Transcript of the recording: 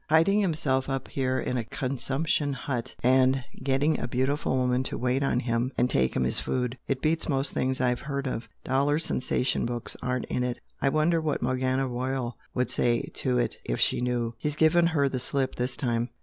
Hiding himself up here in a consumption hut, and getting a beautiful woman to wait on him and 'take him his food'! It beats most things I've heard of! Dollar sensation books aren't in it! I wonder what Morgana Royal would say to it, if she knew! He's given her the slip this time!"